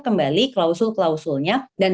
kembali klausul klausulnya dan